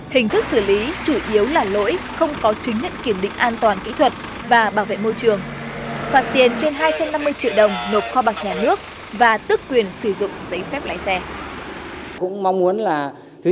hình thức xử lý chủ yếu là lỗi không có chứng nhận kiểm định an toàn kỹ thuật và bảo vệ môi trường